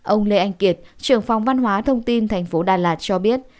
ông lê anh kiệt trưởng phòng văn hóa thông tin thành phố đà lạt cho biết